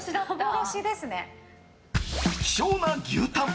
希少な牛タン